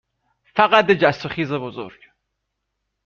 فقط یه جست و خیز بزرگ